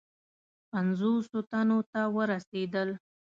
پنجوسو تنو ته ورسېدل.